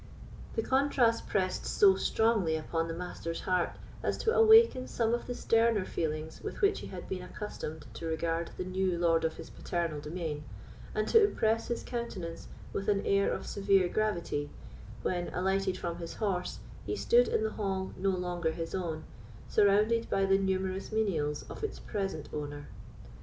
The contrast pressed so strongly upon the Master's heart as to awaken some of the sterner feelings with which he had been accustomed to regard the new lord of his paternal domain, and to impress his countenance with an air of severe gravity, when, alighted from his horse, he stood in the hall no longer his own, surrounded by the numerous menials of its present owner.